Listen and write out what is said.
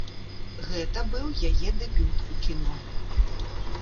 Гэта быў яе дэбют у кіно.